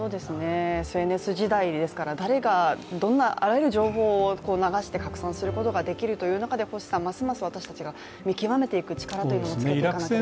ＳＮＳ時代ですから、誰もがあらゆる情報を流して拡散することができるという中でますます私たちは見極めていく力というのもつけていかないとならない。